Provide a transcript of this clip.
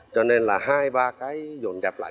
cho nên là hai ba cái vốn gặp lại